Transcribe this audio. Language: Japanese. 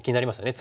次。